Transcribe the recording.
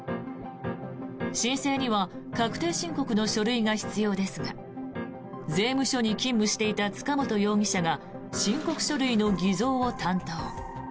申請には確定申告の書類が必要ですが税務署に勤務していた塚本容疑者が申告書類の偽造を担当。